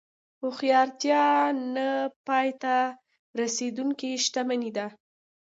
هوښیارتیا نه پای ته رسېدونکې شتمني ده.